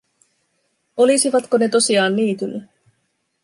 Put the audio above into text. Olisivatko ne tosiaan niityllä?